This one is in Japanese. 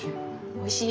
おいしい？